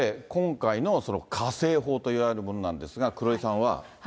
今回の火星砲といわれるものなんですが、黒井さんは。